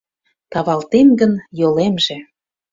Тавалтем гын, йолемже.